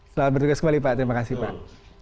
selamat bertugas kembali pak terima kasih pak